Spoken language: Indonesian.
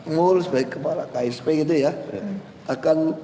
mul sebagai kepala ksp gitu ya